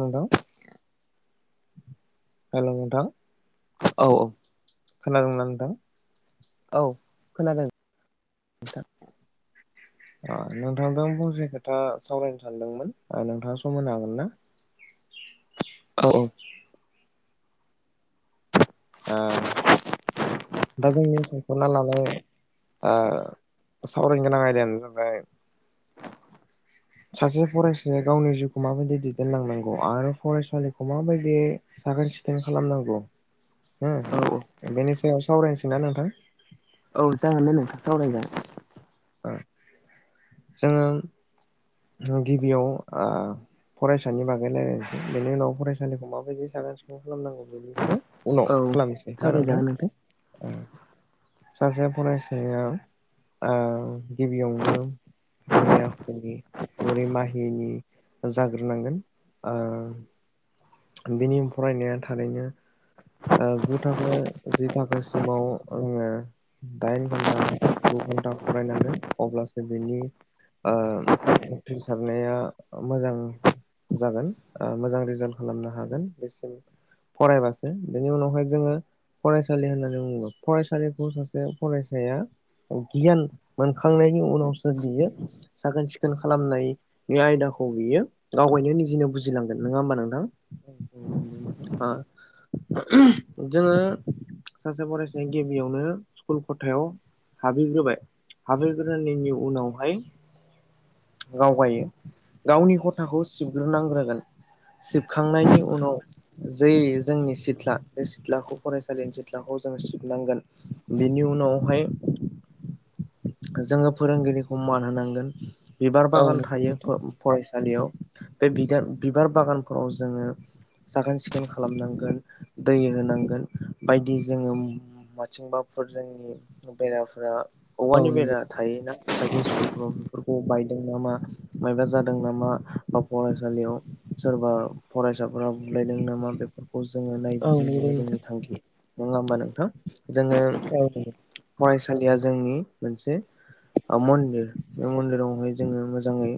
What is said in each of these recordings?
नोंथां हेल' नोंथां औ औ खोनादों ना नोंथां औ खोनादों नोंथां ओ नोंथांजों फंसे खोथा सावरायनो सानदोंमोन नोंथाङा सम होनो हागोन ना औ औ आ दा जोंनि सायख'ना लानाय आ सावरायनो गोनां आयदायानो जाबाय सासे फरायसाया गावनि जिउखौ माबायदि दैदेनलांनांगौ आरो फरायसालिखौ माबायदि साखोन सिखोन खालामनांगौ हो औ बेनि सायाव सावरायनोसै ना नोंथां औ जागोनदे नोंथां सावरायगोन ओ जोङो गिबियाव आ फरायसानि बागै रायलायनोसै बेनि उनाव फरायसालिखौ माबायदि साखोन सिखोन खालामनांगौ बेनिखौ उनाव औ खालामसै ना नोंथां सासे फरायसायाव गिबियावनो गुरै आखनि गुरै माहिनि जाग्रोनांगोन ओ फिनिश फरायनाया थारैनो ओ गु थाखो जि थाखोसिमाव आङो दाइन घन्टा गु घन्टा फरायनांगोन अब्लासो बिनि ओ उथ्रिसारनाया मोजां जागोन मोजां ओ रिजाल्ट खालामनो हागोन बेसिम फरायबासो बेनि उनावहाय जोङो फरायसालि होननानै बुङो फरायसालिखौ सासे फरायसाया गियान मोनखांनायनि उनावसो बियो साखोन सिखोन खालामनायनि आयदाखौ बियो आवगायनो निजेनो बुजिलांगोन नोङा होमबा नोंथां जोङो सासे फरायसाया गिबियावनो स्कुल खथायाव हाबहैग्रोबाय हाबहैग्रोनायनि उनावहाय गावगायो गावनि खथाखौ सिबग्रोनांग्रोगोन सिबखांनायनि उनाव जे जोंनि सिथ्ला बे सिथ्लाखौ फरायसालिनि सिथ्लाखौ जोङो सिबनांगोन बेनि उनावहाय जोङो फोरोंगिरिखौ मान होनांगोन बिबार औ बागान नंगौ थायो नोंथां फरायसा सालियाव बे बिार बिबार बागानफोराव जोङो साखोन सिखोन खालामनांगोन दै होनांगोन बायदि जोङो माथिंबाफोर जोंनि बेराफ्रा औ औवानि नंगौ बेरा थायोना खायसे स्कुलफ्राव बे औ बाय नामा माबा जादों नामा बा फरायसालियाव सोरबा फरायसाफोरा बुलायदों नामा बेफोर खौ जोङो औ नंगौ नायबिदिंनाया नोंथां जोंनि थांखि नङा होमबा नोंथां जोङो औ नंगौ फरायसालिया जोंनि मोनसे ओ मन्दिर बे मन्दिरावहाय जोङो मोजाङै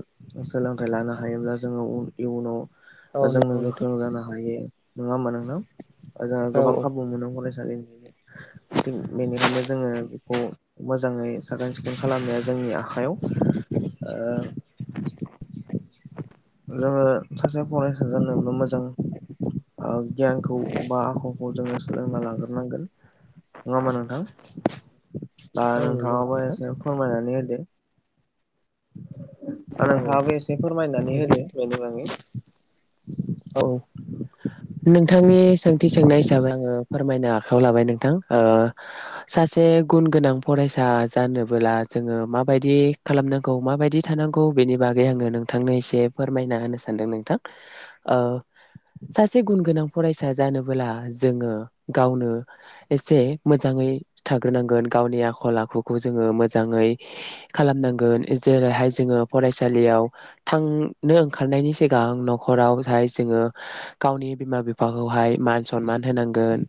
सोलोंथाइ लानो हायोब्ला जोङो इयुनाव औ जोंनो नंगौ नोंथां गोख्रों जानो हायो नङा होमबा नोंथां जोंहा औ गोबां खाबु मोनो कलेज बेनिखायनो जोङो बेखौ मोजाङै साखोन सिखोन खालामनाया जोंनि आखायाव आरो जोङो सासे फरायसा जाब्ला मोजां ओ गियानखौ बा आखलखौ जोङो सोलोंना लाग्रोनांगोन नङा होनबा नोंथां दा औ नंगौ नोंथाङाबो नोंथां एसे फोरमायनानै होदो औ नोंथाङाबो एसे फोरमायनानै होदो बेनि बागै औ नोंथांनि सोंथि सोंनाय हिसाबै आङो फोरमायनो आखायाव लाबाय नोंथां ओ सासे गुन गोनां फरायसा जानबोला जोङो माबायदि खालामनांगौ माबायदि थानांगौ बेनि बागै आङो नोंथांनो एसे फोरमायना होनो सानदों नोंथां ओ सासे गुन गोनां फरायसा जानबोला जोङो गावनो एसे मोजाङै थाग्रोनांगोन गावनि आखल आखुखौ जोङो मोजाङै खालामनांगोन जेरैहाय जोङो फरायसालियाव थांनो ओंखारनायनि सिगां न'खराव जोङो गावनि बिमा बिफाखौहाय मान सनमान होनांगोन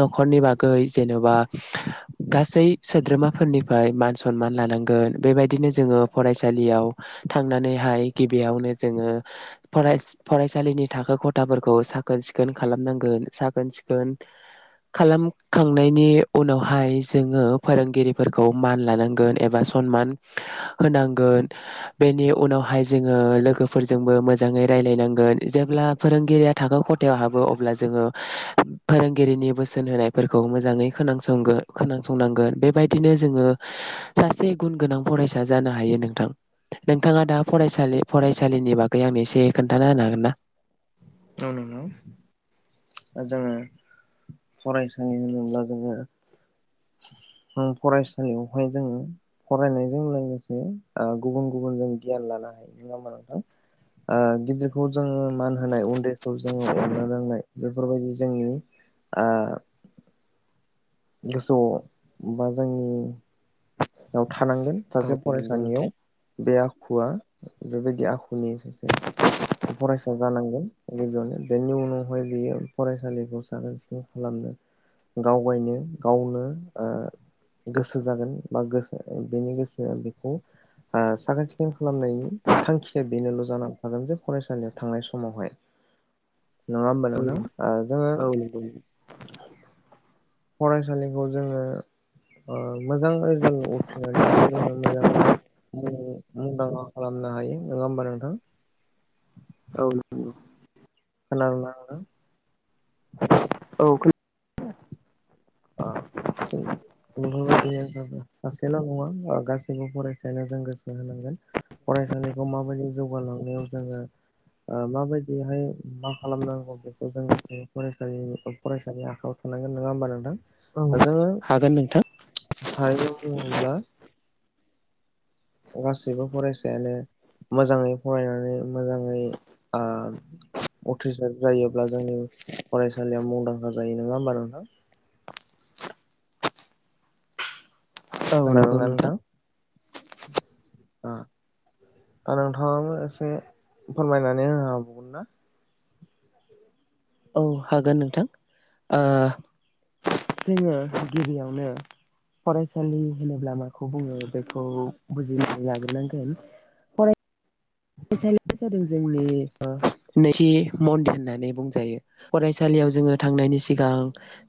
न'खरनि बागै जेन'बा गासै सोद्रोमाफोरनिफ्राय मान सनमान लानांगोन बेबायदिनो जोङो फरायसालियाव थांनानैहाय गिबियावनो जोङो फराय फराय सालिनि थाखो खथाफोरखौ साखोन सिखोन खालामनांगोन साखोन सिखोन खालामखांनायनि उनावहाय जोङो फोरोंगिरिफोरखौ मान लानांगोन एबा सनमान होनांगोन बेनि उनावहाय जोङो लोगोफोरजोंबो मोजाङै रायलायनांगोन जेब्ला फोरोंगिरिया थाखो खथायाव हाबो अब्ला जोङो फोरोंगिरिनि बोसोन होनायफोरखौ मोजाङै खोनासंगोन खोनासंनांगोन बेबायदिनो जोङो सासे गुन गोनां फरायसा जानो हायो नोंथां नोंथाङा दा फरायसालि फरायसालिनि बागै आं एसे खोन्थाना होनो हागोन ना औ नंगौ जोङो फरायसालि होनोब्ला जोङो फरायसालियावहाय जोङो फरायनायजों लोगोसे ओ गुबुन गुबुन जों गियान लानो हायो नङा होमा ओ नोंथां गिदिरखौ जोङो मान होनाय उन्दै खौ जोङो अननो रोंनाय बेफोरबायदि जोंनि गोसोआव बा जोंनि थानांगोन औ सासे नंगौ फरायसानियाव नोंथां बे आखुवा बेबायदि आखुनि फरायसा जानांगोन गिबियावनो बेनि उनाव फरायसालिखौ साखोन सिखोन खालामनो दावबायनो गावनो ओ गोसो जागोन बा गोसो बेनि गोसोआ बेखौ साखोन सिखोन खालामनायनि थांखिया बेनोल' जानानै थागोन जे फरायसालियाव थांनाय समावहाय नङा होमबा औ नोंथां ओ जोङो नंगौ [inaudible] फरायसालिखौ जोङो ओ मोजां रिजाल्ट उथ्रिनानैबो जोङो मोजाङै मुंदांखा खालामनो हायो नङा होमबा नोंथां औ नंगौ खोनादोंना नोंथां औ थि बेफोरबायदिनो सासेल' नङा गासैबो फरायसायानो जों गोसो होनांगोन फरायसालिखौ माबायदि जौगालांनायाव जोङो माबायदिहाय मा खालामनांगौ बेखौ जों गासैबो फरायसानि आखायाव थानांगोन नङा होमबा नोंथां जोङो हागोन नोंथां थारैनो बुङोब्ला गासैबो फरायसायानो मोजाङै फरायनानै मोजाङै आ उथ्रिसार जायोब्ला जोंनि फरायसालियाव मुंदांखा जायो नङा होमबा नोंथां औ नंगौ खादोंना नोंथां नोंथाङाबो एसे फोरमायनानै होनो हाबावगोन ना औ हागोन नोंथां जोङो गिबियावनो फरायसालि होनोब्ला माखौ बुङो बेखौ बुजिनानै लाग्रोनांगोन फरायसालिया जादों जोंनि नैथि मन्दिर होननानै बुंजायो फरायसालियाव जोङो थांनायनि सिगां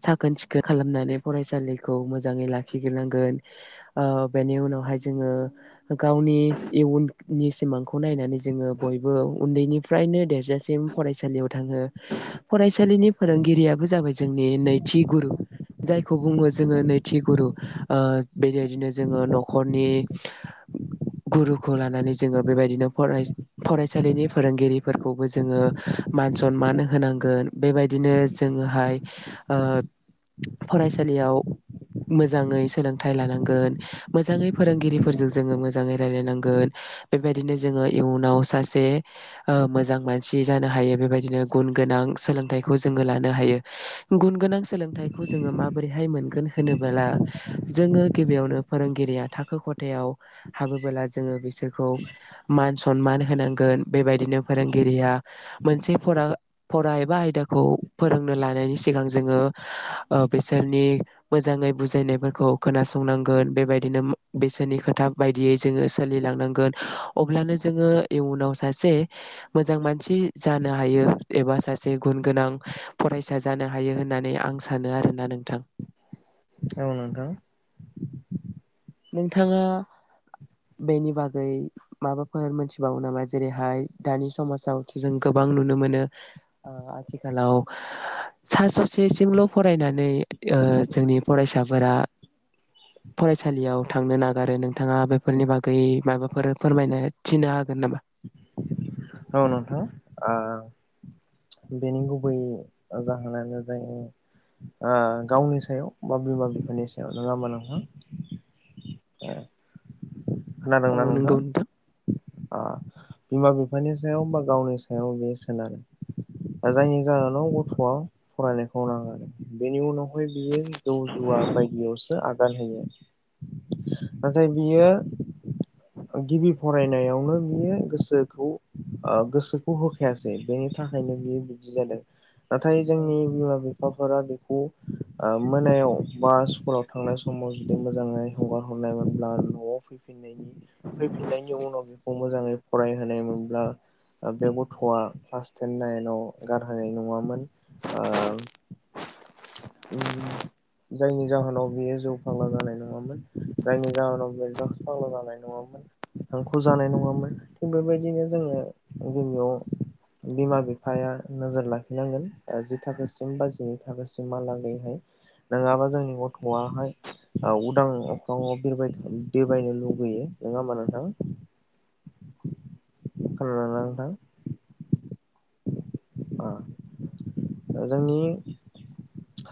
साखोन सिखोन खालामनानै फरायसालिखौ मोजाङै लाखिग्रोनांगोन ओ बेनि उनावहाय जोङो गावनि इयुननि सिमांखौ खौ नायनानै जोङो बयबो उन्दैनिफ्रायनो देरजासिम फरायसालियाव थाङो फरायसालिनि फोरोंगिरियाबो जाबाय जोंनि नैथि गुरु जायखौ बुङो जोङो नैथि गुरु ओ बेबायदिनो जोङो न'खरनि गुरुखौ लानानै जोङो बेबायदिनो फराय-फरायसालिनि फोरोंगिरिफोरखौबो जोङो मान सनमान होनांगोन बेबायदिनो जोङोहाय फरायसालियाव मोजाङै सोलोंथाइ लानांगोन मोजाङै फोरोंगिरिफोरजों जोङो मोजाङै रायलायनांगोन बेबायदिनो जोङो इयुनाव सासे ओ मोजां मानसि जानो हायो बेबायदिनो गुन गोनां सोलोंथाइखौ जोङो लानो हायो गुन गोनां सोलोंथाइखौ जोङो माबोरैहाय मोनगोन होनोबोला जोङो गिबियावनो फोरोंगिरिया थाखो खथायाव हाबोबोला जोङो बिसोरखौ मान सनमान होनांगोन बेबायदिनो फोरोंगिरिया मोनसे फरा फरा एबा आयदाखौ फोरोंनो लानायनि सिगां जोङो ओ बिसोरनि मोजाङै बुजायनायफोरखौ खोनासंनांगोन बेबायदिनो बिसोरनि खोथा बायदियै जोङो सोलिलांनांगोन। अब्लानो जोङो इयुनाव सासे मोजां मानसि जानो हायो एबा सासे गुन गोनां फरायसा जानो हायो होननानै आं सानो आरोना नोंथां। औ नोंथां। नोंथाङा बेनि बागै माबाफोर मोनथिबावो नामा जेरैहाय दानि समाजावथ' जों गोबां नुनो मोनो आथिखालाव ओ सा स'सेसिमल' फरायनानै जोंनि ओ फरायसाफोरा फ सालियाव थांनो नागारो नोंथाङा बेफोरनि बागै माबाफोर फोरमायनो थिन्नो हागोन नामा? औ नोंथां ओ बेनि गुबै जाहोनानो जायो ओ गावनि सायाव बा बिमा बिफानि सायाव न' लामा नोंथां ओ औ खोनादोंना नंगौ नोंथां? अ बिमा बिफानि सायाव बा गावनि सायाव बियो सोनारो ओ जायनि जाहोनाव गथ'आ फरायनायखौ नाङार बेनि उनावहाय बियो जौ जुवा बायदियावसो आगान होयो नाथाय बियो गिबि फरायनायावनो बियो गोसोखौ ओ गोसोखौ होखायासै बेनि थाखायनो बियो बिदि जादों। नाथाय औ जोंनि बिमा बिफा बिफाफोरा बेखौ ओ मोनायाव बा स्कुलाव थांनाय समाव जुदि मोजाङै हगार हरनायमोनब्ला न'आव फैफिननायनि फैफिननायनि उनाव बेखौ मोजाङै फरायहोनायमोन। [unintelligible] बे गथ'आ क्लास टेन नाइनाव गारहोनाय नङामोन ओ। जायनि जाहोनाव बियो जौ फाग्ला जानाय नङामोन। जायनि जाहोनाव। द्रागस ब' जानाय नङामोन हांखु जानाय नङामोन थिग बेबायदिनो जोङो गबियाव बिमा बिफाया नोजोर लाखिनांगोन जि थाखोसिम बा जिनै थाखोसिम। लागैहाय नङाबा जोंनि गथ'आहाय उदां अख्राङाव बिरबाय बिरबायनो लुुबैयो नङा होमबा नोंथां। [unintelligible] औ नंगौ नोंथां ओ जोंनि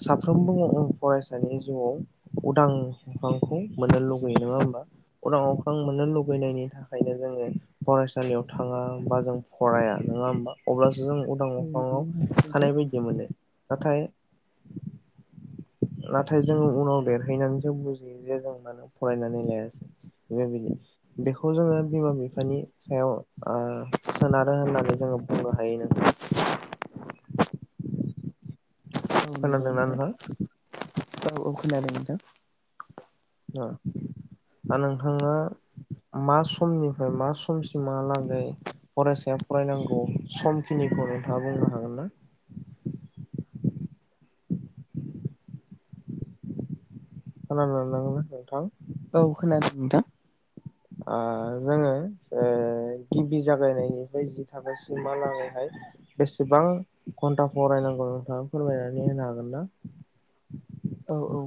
साफ्रोमबो फरायसानि जिउआव उदां अख्रांखौ मोननो लुगैयो नङा होमबा उदां अख्रां मोननो लुगैनायनि थाखायनो जोङो फरायसालियाव थाङा बा जों फराया नङा होनबा अब्ला। जों उदां औ नंगौ अख्राङाव नोंथां थानाय बायदि मोनो। नाथाय नाथाय जों उनाव देरहैनानैसो बुजियो जे जों मानो फरायनानै लायासै बेबायदि बेखौ जोङो बिमा बिफानि सायाव ओ सोनारो होननानै जोङो बुंनो हायो नोंथां। औ नंगौ खोनादोंना नोंथां? खोनादों‌ नोंथां? थां नोंथाङा मा समनिफ्राय मा समसिमहालागै फरायसाया फरायनांगौ समखिनिखौ नोंथाङा बुंनो हागोन ना? [unintelligible] नोंथां औ खोनादों नोंथां। ओ जोङो गिबि जागायनायनिफ्राय जि थाखोसिमालागैहाय बेसेबां घन्टा फरायनांगौ नोंथाङा फोरमायनानै होनो हागोन ना? औ औ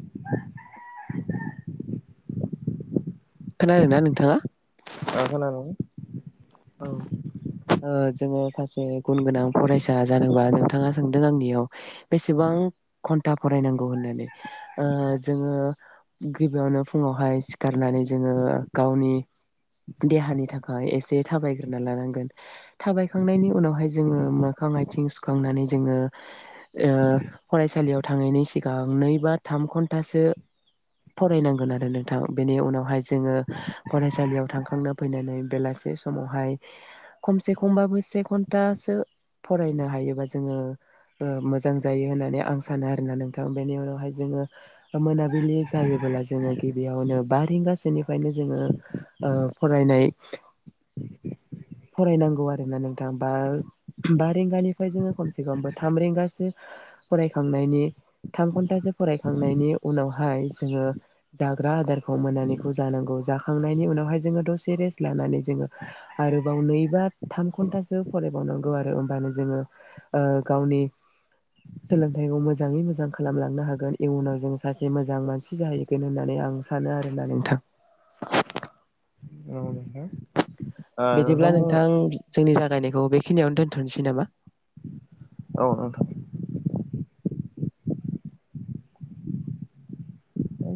[inaudible] खोनादोंना नोंथाङा? अ खोनादों। औ जोङो ओ सासे गुन गोनां फरायसा जानोबा नोंथाङा सोंदों आंनियाव बेसेबां घन्टा फरायनांगौ होननानै ऐ जोङो गिबियावनो फुङावहाय सिखारनानै जोङो गावनि देहानि थाखाय एसे जे थाबायग्रोना लानांगोन। थाबायखांनायनि उनावहाय जोङो। मोखां आथिं सुखांनानै जोङो। ओ फरायसालियाव थांनायनि सिगां नै बा थाम घन्टासो फरायनांगोन आरो नोंथां बेनि उनावहाय जों जोङो फरायसालियाव थांखांनो फैनानै बेलासे सम समावहाय खमसे खमबाबो से घन्टासो फरायनो हायोबा जोङो मोजां जायो होननानै आं सानो आरोना नोंथां बेनि उनावहाय जोङो मोनाबिलि जायोबोला जोङो गिबियावनो बा रिंगासोनिफ्रायनो जोङो ओ फरायनाय फरायनांगौ आरोना नोंथां बा बा रिंगानिफ्राय जोङो खमसे खमबो थाम रिंगासो फरायखांनायनि थाम घन्टासो फरायखांनायनि उनावहाय जोङो जाग्रा आदारखौ मोननानैखौ जानांगौ जाखांनायनि उनावहाय जोङो दसे रेस्ट लानानै जों आरो नै बा थाम घन्टासो फराय नांगौ आरो होमबानो जोङो गावनि सोलोंथाइखौ मोजाङै मोजां खालामलांनो हागोन इयुनाव जों सासे मोजां मानसि जाहैगोन होननानै आं सानो आरोना नोंथां औ ओ बिदिब्ला बुं नोंथां जोंनि जागायनायखौ बे खिनिआवनो दोनथनोसै नामा औ नोंथां औ